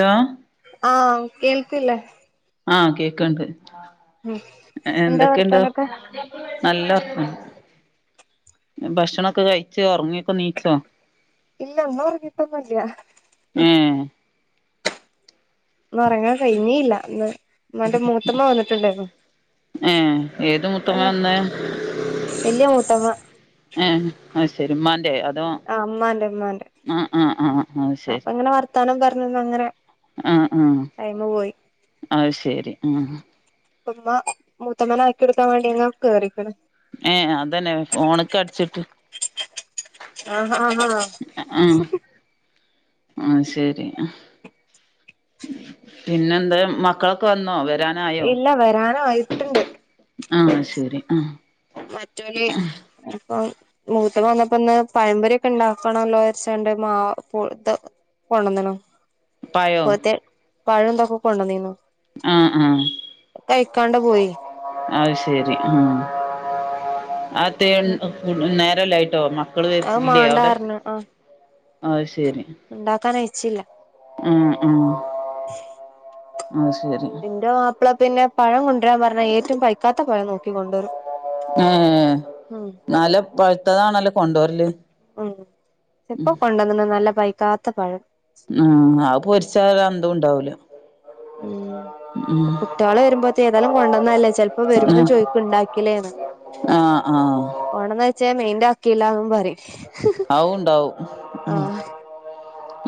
Hello ആഹ് കേൾക്കില്ലേ. ആഹ് കേക്കണ്ട്. ഉം എന്താ എന്തൊക്കെണ്ട്? വർത്താനൊക്കെ നല്ല വർത്താനം. ഭക്ഷണൊക്കെ കയിച്ചോ? ഒറങ്ങിയൊക്കെ ണീച്ചോ? ഇല്ല ഉമ്മ ഉറങ്ങിട്ടോന്നൂല്യ. ഏഹ് ഒറങ്ങാൻ കഴിഞ്ഞില്ല ന്ന് മന്റെ മൂത്തമ്മ വന്നിട്ടുണ്ടെര്ന്നു ഏഹ് ഏത് മുത്തമ്മ അങ്ങനെ വന്നേ വെല്യ മൂത്തമ്മ ഏഹ് ആ ശെരി മ്മാന്റെ അതോ- ആഹ് അമ്മാന്റെ ഉമ്മാന്റെ. ആഹ് ആഹ് ആഹ് അത് ശരി അപ്പൊ ഇങ്ങനെ വർത്താനം പറഞ്ഞന്ന് അങ്ങനെ ആഹ് ആഹ് ടൈമ് പോയി അത് ശരി ആഹ്. ഉമ്മ മുത്തമ്മനെ ആക്കി കൊട്ക്കാൻ വേണ്ടി കേറിക്ണ്. ഏഹ് അ അതന്നെ. ഫോണൊക്കെ അടിച്ചിട്ട് ആഹ് ഹാ ഹാ ആ ആഹ് ശേരി പിന്നെന്ത്‌ മക്കളൊക്കെ വന്നോ വരാൻ ഇല്ല വരാനായിട്ട്ണ്ട്. ആഹ് ശരി ആ മറ്റോല് ഇപ്പം മൂത്ത വന്നപ്പോന്നെ പയമ്പൊരീക്കെ ണ്ടാക്കണല്ലോ ച്ചോണ്ട് മാ പു തോ കൊണ്ടന്നുണു പായോ പോത്തെ പഴംന്തൊക്കെ കൊണ്ടന്നീന്നു. ആഹ് ആഹ് കയിക്കാണ്ട് പോയി. അത് ശരി ആ ആത്തെ നേരല്ലായിട്ടോ മ മക്കള് അത് വരില്ലേ അവിടെ. മാണ്ടാർഞ്ഞ് ആഹ് ശരി. ണ്ടാക്കാനയച്ചില്ല. ആഹ് ആഹ്. ആഹ് സെരി എന്റെ മാപ്ള പിന്നെ പഴം കൊണ്ട്വരാൻ പറഞ്ഞാ ഏറ്റം പൈക്കാത്ത പഴം നോക്കി കൊണ്ടരും. ഏഹ് നല്ല പഴുത്തതാണല്ലോ കൊണ്ടോര്ല്. മം ഇപ്പൊ കൊണ്ടുവന്നത് നല്ല പയ്ക്കാത്ത പഴം ഉം അത്പൊരിച്ചാ ഒരുഅന്തും ഉണ്ടാവൂല ഉം ഉം കുട്ടികള് വരുമ്പോത്തെ ഏതായാലും കൊണ്ടുവന്നല്ലേ ചെപ്പോ വരുമ്പോം ചോദിക്കും ഇണ്ടാക്കിലേന്ന് ആഹ ആഹ ഓണംന്ന് വെച്ചാ മെയിന്റ് അക്കിയില്ലാന്നും പറി ആവുണ്ടാവും ഉം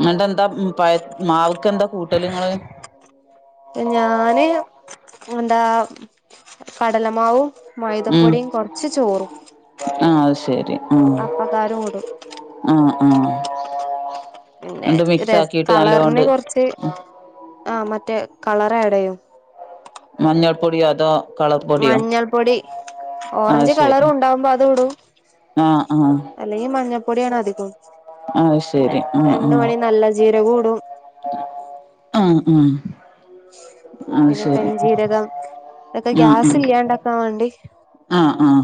എന്നിട്ടെന്താ പയ മാവ്ക്ക് എന്താ കൂട്ടല് ഇങ്ങള്. പ്പ ഞാന് എന്താ കടലമാവും ഉം മൈതപ്പൊടിയും കൊറച്ച് ചോറും ആഹ് അപ്പക്കാരും ഇടും. ആ ആ പിന്നെ രസ കളറിന് കുറച്ച് ആ മറ്റേ കളർ ആടയും മഞ്ഞൾ പൊടി അതോ? കളർ പൊടിയോ മഞ്ഞൾ പൊടി ഓറഞ്ച് കളറും ഉണ്ടാവുമ്പോ അത് ഇടും ആ ആ അല്ലെങ്കിൽ മഞ്ഞപ്പൊടിയാണ് അധികം അത് പിന്നെ ശരി രണ്ട് മണി നല്ല ജീരകവും ഇടും. ആ ആ പിന്നെ കരിഞ്ചീരകം ഇതൊക്കെ ഗ്യാസ് ഇല്ലാണ്ടാക്കാൻ വേണ്ടി ആഹ ആഹ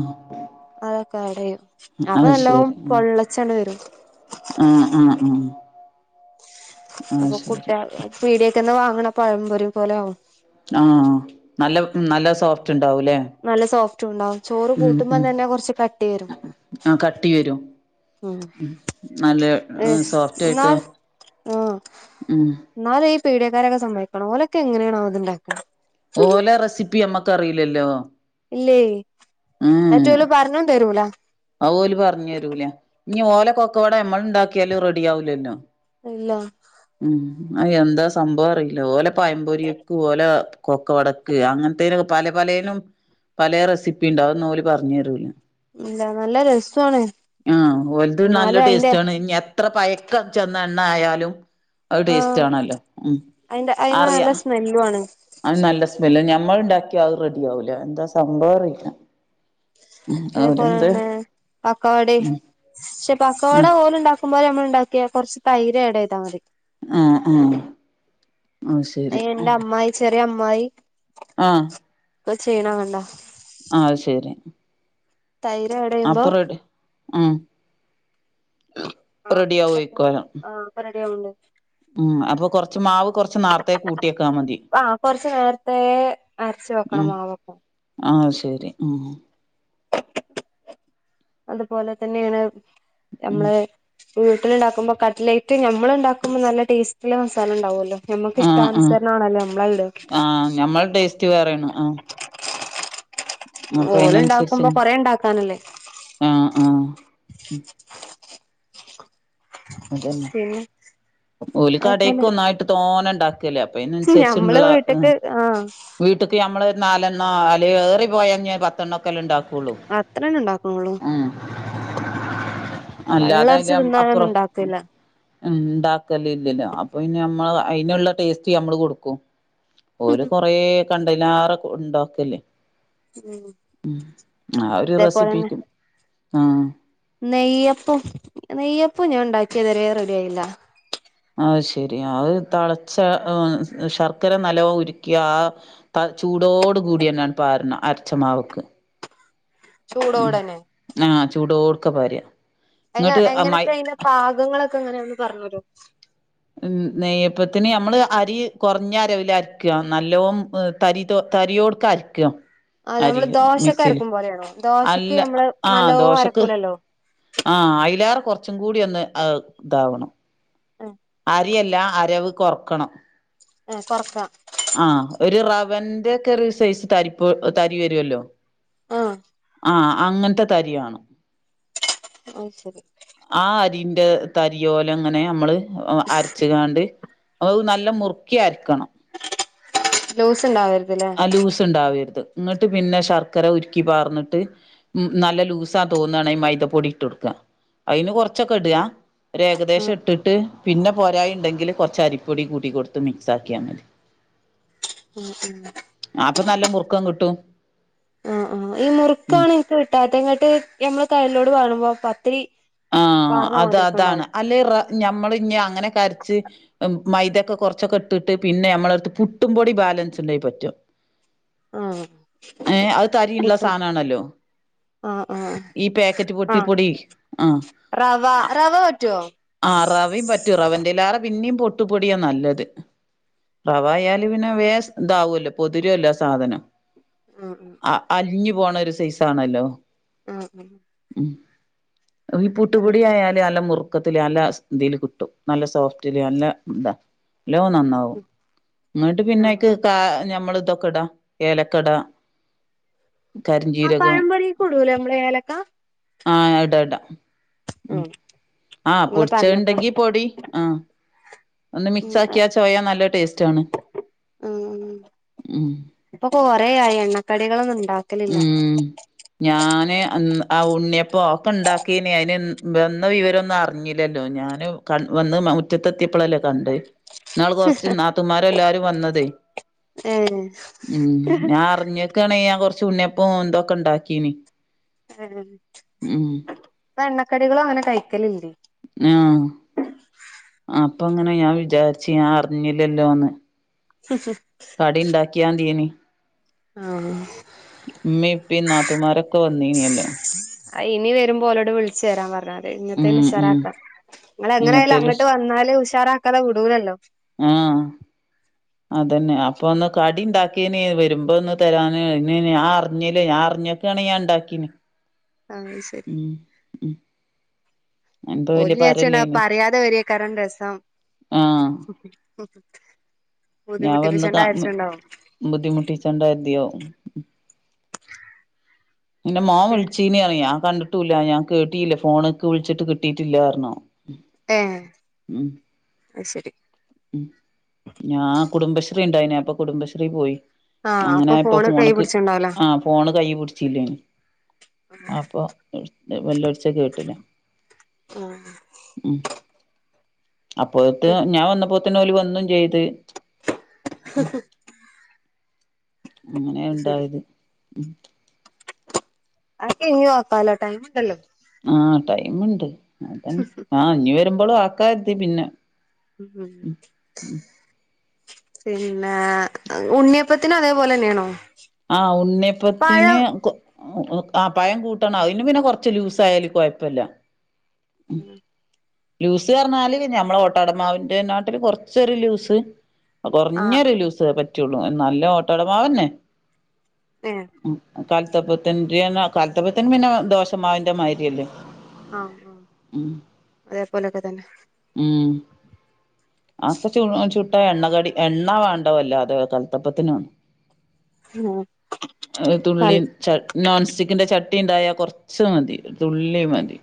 അതൊക്കെ അഡ് ചെയുംഅപ്പൊ നല്ലോം പൊള്ളച്ചണ്ട്‌വരും. ആ ആ അപ്പൊ കുട്ടിൾ പീടിയക്കെന്ന് വാങ്ങുന്ന പഴംപൊരി പോലെ ആവും ആഹ നല്ല നല്ല സോഫ്റ്റ് ഉണ്ടാവുംല്ലേ നല്ല സോഫ്റ്റുംണ്ടാവും ചോറ് കൂട്ടുമ്പംതന്നെ കൊറച്ച് കട്ടിരും. ആ കട്ടി വരും ഉം നല്ല ഏഹ് സോഫ്റ്റ് ആയിട്ട് ന്നാൽ ഹ് ഉം എന്നാലും ഈ പിടിയക്കാരൊക്കെ സമ്മയിക്കണം ഓലൊക്കെ എങ്ങനെയണോ ഇത് ഇണ്ടാക്കാ ഓലെ റെസിപ്പി നമ്മക്കറിയില്ലല്ലോ ഇല്ലേയ് അറ്റോല് പറഞ്ഞും തരൂലാ. അത് ഓല്‌പറഞ്ഞു തരൂല ഇനി ഓലെ കൊക്കവട നമ്മള് ഉണ്ടാക്കിയാലും റെഡി ആവുലല്ലോ? ഇല്ല ഉം അ എന്താ സംഭവം അറിയില്ല ഓലെ പായം പൊരിക്കും ഓലെ കൊക്ക വടക്ക് അങ്ങനത്തേനൊക്കെ പല പലേനും പലെ റെസിപ്പി ഉണ്ടാവുംഅത് ഒന്നും ഓല് പറഞ്ഞെ രൂല. ഇല്ല നല്ല രസാണ് ങ്ഹ ഓലത് നല്ല എന്നാലും അയിന്റെ ടേസ്റ്റാണ് ഇഞെ എത്ര പയക്കം ചെന്ന എണ്ണ ആയാലും അത് ആഹ ടേസ്റ്റ് ആണല്ലോ ഉം അയിന്റെ അയിന് നല്ല അറിയാം സ്മെല്ലു ആണ് അത് നല്ല സ്മെല്ല് ഞമ്മള് ഉണ്ടാക്കിയ അത് റെഡി ആവൂലാ എന്താ സംഭവം ന്ന് അറിലാ അതേപോലെന്നെപക്കവാടിം ഉം ക്ഷെ പക്കവാട ആഹ് ഓല് ഉണ്ടാക്കു വെയ്ക്കുമ്പോലെ ഉണ്ടാക്കിയ കൊർച്ച് തൈര് ആഡ്യ്താമതി. ആ ആ അയിന്റെ അമ്മായി ചെറിയ അമ്മായി ആഹ് ഇപ്പോ ചെയ്യണോ വേണ്ട ആ അത് ശരി തൈര് ആഡ് ചെയ്യുമ്പോ അപ്പോ റെഡി ഉം ആ റെഡി ആവേയ്ക്കാരം ആ പ്പ റെഡിയാവുണ്ട്. ഉം അപ്പൊ കൊറച്ച്മാവ് കുറച്ച് നേരത്തേ കൂട്ടിയേക്കാൻ മതി ആ കൊറച്ചു നേരത്തെ അരച്ച് വെക്കണം മാവ്. ആ ശരി ഉം അതുപോലെ തന്നെയാണ് ഉം നമ്മളെ വീട്ടിലുണ്ടാക്കുമ്പോ കട്ലേറ്റ് നമ്മൾ ഉണ്ടാക്കുമ്പോൾ നല്ല ടേസ്റ്റുള്ള മസാല ഉണ്ടാവുല്ലോ? നമ്മക്ക് ഇഷ്ടാനുസരണാണല്ലേ ആ [unintelligible] ഞമ്മളുടെ ടേസ് [unintelligible] പറയണ് ആ. [unintelligible] അയിനനുസരിച്ച് ഉണ്ടാക്കുമ്പോ കൊറേ ഉണ്ടാക്കാനല്ലേ? ആഹ് ആഹ് അതന്നെ. പിന്നെ ഓല് അതുപോലെ കടേക്കെ ന്നായിട്ടു താനേ ഇണ്ടാ കല്ലേ അപ്പൊ ഞമ്മള് ഇതിനനുസരിച്ചുള്ള എ വീട്ട്ക്ക് ആ വീട്ടിക്ക് നമ്മള് ഒരു നാലെണ്ണം അല്ലെങ്കി ഏറി പോയാൽ പത്തെണ്ണൊക്കെല്ലേ ഉണ്ടാക്കുകുള്ളൂ. അത്രേ തന്നെ ഉണ്ടാക്കുണുള്ളൂ. ഉം. അല്ലാതെ പള്ളർച്ച് അതിലും തിന്നാനൊന്നും അപ്പുറം. ഉണ്ടാക്കൂല്ല ഉം. ഉണ്ടാക്കലില്ലോ അപ്പൊ പിന്നെ നമ്മള് അതിനുള്ള ടേസ്റ്റ് നമ്മള് കൊടുക്കും ഓല് കൊറേ കണ്ടലാറ് ഉണ്ടാക്കല്. ഉം ആ ഒരു ഇതേപോലെന്നെ റെസിപ്പിക്കും. ആഹ്. നെയ്യപ്പം, നെയ്യപ്പം ഞാൻ ഉണ്ടാക്കിയത് ഇതുവരെ റെഡി ആയില്ല. അത് ശെരി. അത് തളച്ച ശർക്കര നല്ലപോലെ ഉരുക്കി. ആ ത ചൂടോടുകൂടി തന്നെ പാരണം, അരച്ചമാവക്ക്. ചൂടോടു തന്നെ. ആ ചൂടോടുക്ക് പര്യ. അയിന് എങ്ങനെയൊക്കെ അയിന്റെ, പാകങ്ങളൊക്കെ എങ്ങനെയാന്ന് ഒന്ന് പറഞ്ഞു തരുവോ? ഉം. നെയ്യപ്പത്തിന് നമ്മള് അരി കുറഞ്ഞ അരവില് അരക്കുക. നല്ലോവും ഏഹ് തരി ത തരിയോടുക്ക് അരയ്ക്കും. അത് അരി നമ്മള് ദോശൊക്കെ മിക്സിയില് അരക്കും പോലെയാണോ ദോശക്ക് അല്ല നമ്മള് ആ നല്ലോ ദോശക്ക്, അരക്കൂലല്ലോ ആഹ് അയിലേറെകുറച്ചും കൂടി ഒന്ന് ഇതാവണം. ഏ അരിയല്ല അരവ് കൊറക്കണം. ഏഹ് കുറക്കാം. ആഹ് ഒരു റവന്റെക്കെ ഒരു സൈസ് തരിപ്പ് തരി വരുവല്ലോ ആ ആഹ് അങ്ങനത്തെ തരിയാണ്. അത് ശരി. ആ അരിന്റെ തരി ഓലെ അങ്ങനെ നമ്മള് അരച്ചുകാണ്ട്. [unintelligible] നല്ല മുറുക്കി അരയ്ക്കണം. ലൂസ് ഉണ്ടാവരുത് അല്ലേ? ആ ലൂസ് ഉണ്ടാവരുത് അന്നിട്ട് പിന്നെ ശർക്കര ഉരുക്കി പാർന്നിട്ട് ഉം. നല്ല ലൂസാ തോന്നാണെങ്കില് മൈദപ്പൊടി ഇട്ട് കൊടുക്കുക. അതിന് കൊറച്ചൊക്കെ ഇടുക. ഒരു ആ ആ ഏകദേശം ഇട്ടിട്ട് പിന്നെ പോരായിഇണ്ടെങ്കില് കുറച്ച് അരിപ്പൊടി കൂട്ടി കൊടുത്ത് മിക്സ് ആക്കിയാമതി. [unintelligible] ആ പ്പൊ നല്ല മുറുക്കം കിട്ടും. ആ ആ ഈ ഉം മുറുക്കാണ് എനിക്ക് കിട്ടാത്തത്. അങ്ങട്ട് ഞമ്മള് കൈയിലോട്ട് പകരുമ്പോ പത്തിരി, ആഹ പാർന്ന അത് മാതിരിയൊക്കെ അതാണ് ഉണ്ടാവും അല്ലെ റ ഞമ്മള് ഇനി അങ്ങനെ കരച്ച്, മൈദോക്കെ കുറച്ചൊക്കെ ഇട്ടിട്ട്, പിന്നെ നമ്മടെ എടുത്ത് പുട്ടുംപൊടി ബാലൻസ് ഉണ്ടായാപറ്റും. ആഹ്. ഏ അത് തരിയുള്ള സാനാണല്ലോ. ആ ആ ഈ പാക്കറ്റ് ആ പുട്ടി പൊടി. ആഹ് റവ റവ പറ്റുവോ ആ റവയും പറ്റും. റവന്റെല്ലാതെ പിന്നേയു പുട്ടുപൊടിയാ നല്ലത്. റവ ആയാല് പിന്നെ വേസ് ഇതാവുമല്ലോ പൊതിരുവല്ലോ സാധനം. ആഹ് ആ. അലിഞ്ഞു പോണ ഒരു സൈസാണല്ലോ? മ് മ്. ഉം ഈ പൂട്ടുപൊടി ആയാല് നല്ലമൃ ക്കത്തിൽ നല്ല ഇതിൽ കിട്ടും. നല്ല സോഫ്റ്റില് നല്ല ന്താ ന്നല്ലോ നന്നാവും. ഇന്ന്ട്ട് ആ പിന്ന അയ്ക്ക് കാ ഞമ്മൾ ഇതൊക്കെ ഇടാ ഏലക്ക ഇടാ. ആ കരിഞ്ജീരകം പഴം പൊടി കൊടുലേ നമ്മള് ഏലക്ക. ആഹ് ഇടാ ഇടാ മം ആഹ് ആഹ ഇങ്ങള് പൊടിച്ച പറഞ്ഞപ്പളാ ഉണ്ടെങ്കി പൊടി. ആ ഒന്ന് ഉം മിക്സാക്കിയാ ആ ചോയാ നല്ല ടേസ്റ്റ് ആണ്. ഉ ഉം അപ്പൊ കൊറയായി എണ്ണക്കടികളൊന്നും ഉണ്ടാക്കലില്ല. ഉം ഞാന് അന്ന്‌ ആ ഉണ്ണിയപൊ ക്കെ ഉണ്ടാ കീനി അയിന് വന്ന വിവരൊന്നും അറിഞ്ഞില്ലല്ലോ. ഞാൻ ക വന്ന് മുറ്റത്തെ ത്തിയപ്പോല്ലേ കണ്ടത്. എന്നാൾ കൊറച്ച് നാത്തുമാര എല്ലാരും വന്നതേ ഏഹ് ഉ ഞാൻ അറിഞ് ക്കണേ കൊറച്ച് ഉണ്ണിപ്പം ഇതോക്കെ ഉണ്ടാക്കീന്. എണ്ണക്കടികള് അങ്ങനെ കഴിക്കലില്ലേ. ആഹ്. അപ്പൊങ്ങനെ ഞാൻ വിചാരിച് ഞാൻ അറിഞ്ഞില്ലല്ലോന്ന്. ഹ് ഹ്. കടി ഉണ്ടാക്കിയ മതിനി. ആഹ് ഉമ്മീം ഇപ്പിനാത്തുമാരൊക്കെ വന്നീനല്ലോ. ഇനി വരുമ്പോ ഒലോട് വിളിച് വരാം പറഞ്ഞതി. ഇങ്ങത്തേന് ഉം ഉം ഉഷാറാക്കാ നിങ്ങ എങ്ങനെ ലും ഇങ്ങത്തേലും അങ്ങോട്ട് വന്നാല് ഉഷാറാക്കാതെ വിടുലല്ലോ. ആഹ് അതന്നെ അപ്പൊ ഒന്ന് കടിണ്ടാക്കിയന് വരുമ്പോ ഒന്ന് തരാൻ ഇ ഞാൻ അറിഞ്ഞില്ല ഞാൻ അർഞ്ഞ ൻ ഉണ്ടാക്കിന്. ആഹ് അത് ശരി ഉം ഉഹ്. ഓല് വിജാര്ച്ചിണ്ടാവും ഭാരല്ലേനി പറിയാതെ വരെകാരം രസം. ആഹ് ഉ ഞാൻ വന്ന് ബുദ്ധിമുട്ടിപ്പിച്ചണ്ട കാ അരിച്ചുണ്ടാവും. ബുദ്ധിമുട്ടിച്ചണ്ട എർതിയോ. ന്റെ മോൻ വിളിച്ചീനിറിഞ്ഞു ഞാൻ കണ്ട റ്റൂല്ല. ഞാൻ കേട്ടില്ല ഫോണക് വിളിച്ചിട്ട് കിട്ടിട്ടില്ലാ പറഞ്ഞു. ഏഹ് ഉമം അത് ശരി മം ഞാ കുടുംബശ്രീ ഉണ്ടായിന് അപ്പൊ കുടുംബശ്രീ പോയി. ആഹ് അപ്പൊ അങ്ങനെആയപ്പൊ ഫോണ് കൈ ഫോണ്‌ക് പിടിച്ച്ണ്ടാവുല്ലേ ആ. ഫോണ് കൈ പുട്ച്ചില്ലെനി അപ്പൊ വല്ലൊച്ചത് കേട്ടില്ല. അഹ് മം അപ്പോത് അത് ഞാൻ വന്നപ്പോ തിന് ഓല് വന്നും ചെയ്ത്. ആഹ് ഹ്. അങ്ങനെ ശരി ഉണ്ടായത് ഉം. അതൊക്കെ ഇഞ്ഞും ആകാല്ലോ ടൈംയ്‌മ്ണ്ടല്ലോ. ആഹ് ടൈമ്ണ്ട്. അതന്നെ ആ ഞ്ഞ് വരുമ്പളും ആക്കര്തി പിന്നെ. മം ഹ് പിന്നെ ഉണ്ണിയപ്പത്തിനും അതേപോലെന്നെണോ? ആ ഉണ്ണിയപ്പത്തിന്. ആ പയം കൂട്ടണം അയിന് പിന്നെ കുറച്ച് ലൂസായാലും കോയപ്പല്ല. ഉം. [unintelligible] ലൂസ് പറഞ്ഞാല് നമ്മളെ ഓട്ടടമാവിന്റെ നാട്ടിലും കൊറച്ചൊരു ലൂസ്. ആഹ് കോർഞ്ഞരു ലൂസ് പറ്റുള്ളൂ. നല്ല ഓട്ടടമാവന്നെ. ഏഹ് മം കൽത്തപ്പത്തിന്റെ കൽത്തപ്പത്തിന് പിന്നെ ദോഷമാവിന്റെ മായിരിയല്ലേ. ആഹ് ആഹ് അതേപോലൊക്കെ തന്നെ. മം [unintelligible] ഉം അത് തുള്ളി പൾ ച നോൺ സ്റ്റിക്കിന്റെ ചട്ടി ഉണ്ടായൽ കുറച്ചു മതി ഒരു തുള്ളി മതി.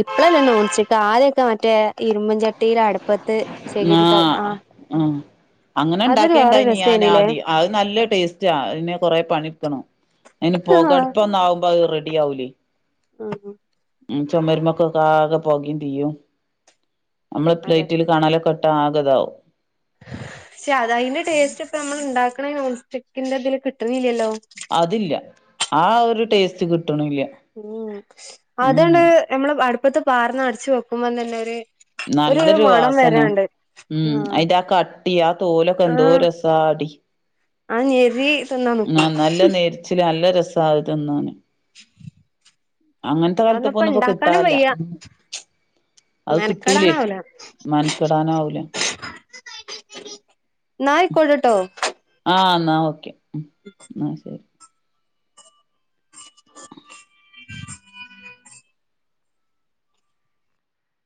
ഇപ്പഴല്ലേ നോൺസ്റ്റിക് ആദ്യയൊക്കെ മറ്റേ ഇരുമ്പിൻചട്ടി തിരെ അടുപ്പത്ത് ചെകിരിതോ ആ ആഹ അങ്ങനെ ഉണ്ടാക്കേണ്ടായിനി ഞാന് രസേനില്ലേ ആദ്യം അത് നല്ല ടേസ്റ്റാ അതിന് കൊറെ പണിയെടുക്കണം. അയ്ന് പൊക അടുപ്പൊന്നാവുമ്പോ അത് റെഡി ആവുലേ. ഉം ഉം ചുമരുമക്കൊക്കെ ആകെ പൊകയും തീയും. നമ്മള പ്ലേ അതെ [unintelligible] ആകതാവും. പക്ഷെ അത അയിന്റെ ടേസ്റ്റ് ഇപ്പ നമ്മൾ ഉണ്ടാക്കണ നോൺ സ്റ്റിക്കിന്റെ ഇതില് കിട്ടുന്നില്ലല്ലോ. അതില്ല ആ ഒരു ടേസ്റ്റ് കിട്ടണുല്ല. ഉം അതണ്ട് നമ്മള് അടുപ്പത്ത് പാർന്ന അടച്ച് വെക്കുമ്പോ തന്നെ ഒരു ഒരു നല്ലൊരു മണം വാസന വരാണ്ട് ഉം അയിൻ്റെ ആ കട്ടി ആ തോലൊക്കെ എന്തോ ആഹ് ഒരു രസ ചാടി ആ ഞരി തിന്നാൻ നിക്കൂ. ചിൽ നല്ല രസാ അത് തിന്നാന് അങ്ങനത്തെ അതൊന്നും ഇപ്പ കലത്തപ്പമൊന്നു ഇപ്പോ കിട്ടാന് ഇണ്ടാക്കാനും ഇല്ല വയ്യ അത് കിട്ടൂലേ മെനക്കെടാനാവൂല മെനക്കടാനാവൂല. ഇന്നാ അയിക്കോട്ടെ. ആ എന്നാ ഓക്കെ. ഉം എന്ന ശരി. [unintelligible]